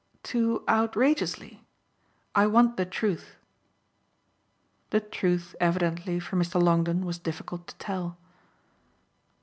"Too outrageously. I want the truth." The truth evidently for Mr. Longdon was difficult to tell.